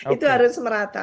itu harus semrata